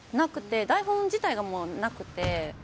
台本自体がなくて。